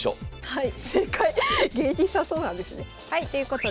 はい。